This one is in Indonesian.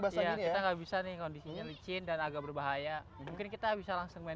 basah ini ya kita gak bisa nih kondisinya licin dan agak berbahaya mungkin kita bisa langsung main